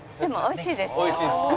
おいしいですか。